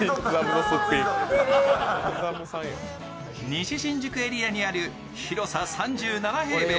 西新宿エリアにある広さ３７平米